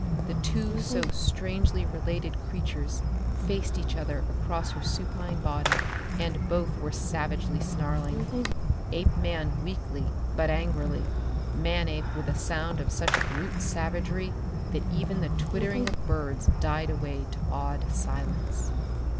The two so strangely related creatures faced each other across her supine body and both were savagely snarling. Apeman weakly but angrily, Manape with a sound of such brute savagery that even the twittering of birds died away to awed silence.